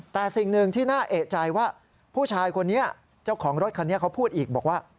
แต่สิ่งหนึ่งที่น่าเอกใจว่าผู้ชายคนนี้เจ้าของรถคันนี้เขาพูดอีกบอกว่า